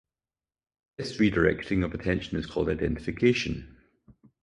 This redirecting of attention is called identification.